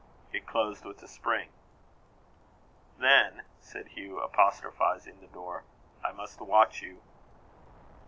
It closed with a spring. "Then," said Hugh, apostrophising the door, "I must watch you."